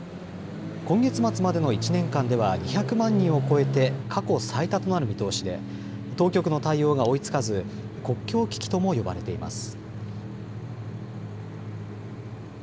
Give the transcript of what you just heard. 今月末までの１年間では２００万人を超えて、過去最多となる見通しで、当局の対応が追いつかず、国境危機とも呼ばれています。